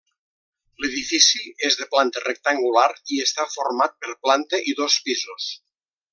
L'edifici és de planta rectangular i està format per planta i dos pisos.